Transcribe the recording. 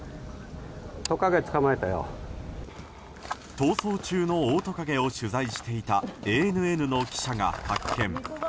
逃走中のオオトカゲを取材していたＡＮＮの記者発見。